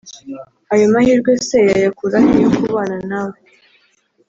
ayo mahirwe se yayakurahe yo kubana nawe